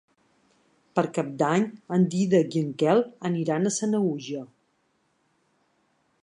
Per Cap d'Any en Dídac i en Quel aniran a Sanaüja.